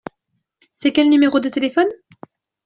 C’est quel numéro de téléphone ?